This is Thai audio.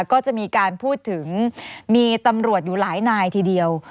ก็จะมีการพูดถึงมีตำรวจอยู่หลายนายทีเดียว